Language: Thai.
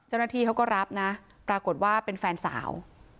เจ้าหน้าที่เขาก็รับนะปรากฏว่าเป็นแฟนสาว